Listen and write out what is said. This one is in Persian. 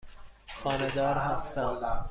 خانه دار هستم.